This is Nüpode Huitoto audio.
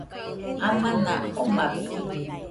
Amana omabeko.